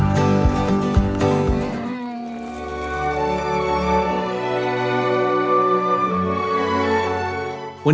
เวิร์ต